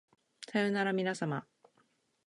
さようならみなさま